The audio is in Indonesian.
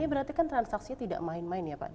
ini berarti kan transaksinya tidak main main ya pak